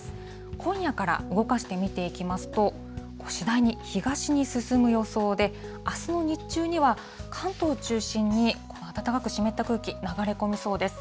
今夜から動かして見ていきますと、次第に東に進む予想で、あすの日中には関東を中心に、暖かく湿った空気、流れ込みそうです。